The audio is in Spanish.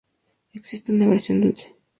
Existe una versión dulce.